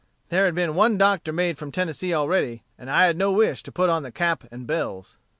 There had been one doctor made from Tennessee already, and I had no wish to put on the cap and bells.